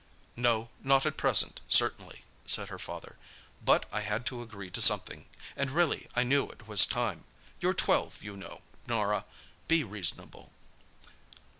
"No—not at present, certainly," said her father. "But I had to agree to something—and, really, I knew it was time. You're twelve, you know, Norah. Be reasonable."